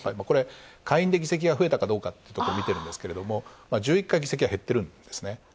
これ議席が下院、増えたかどうかということを見てるんですけど、１１回、議席が減ってるんですね。